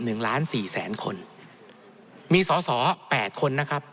หนึ่งล้านสี่แสนคนมีสอสอแปดคนนะครับ